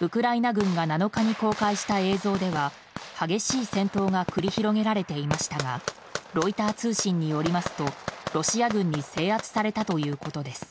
ウクライナ軍が７日に公開した映像では激しい戦闘が繰り広げられていましたがロイター通信によりますとロシア軍に制圧されたということです。